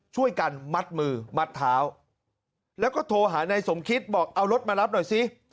ช่วยกันมัดมือมัดเท้าแล้วก็โทรหานายสมคิตบอกเอารถมารับหน่อยสิ